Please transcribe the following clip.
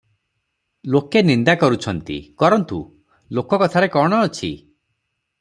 ଲୋକେ ନିନ୍ଦା କରୁଛନ୍ତି, କରନ୍ତୁ, ଲୋକ କଥାରେ କଣ ଅଛି?